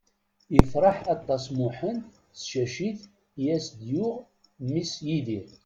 Ifreḥ aṭas Muḥend s tcacit i as-d-yuɣ mmi-s Yidir.